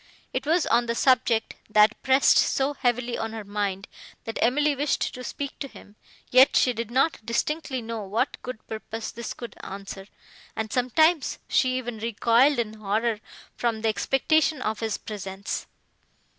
It was on the subject, that pressed so heavily on her mind, that Emily wished to speak to him, yet she did not distinctly know what good purpose this could answer, and sometimes she even recoiled in horror from the expectation of his presence.